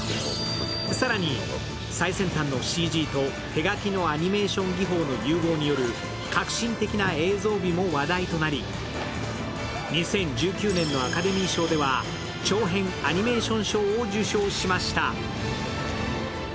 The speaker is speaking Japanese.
更に最先端のＣＧと手描きのアニメーション技法の融合による革新的な映像美も話題となり、２０１９年のアカデミー賞では長編アニメーション賞を受賞しました。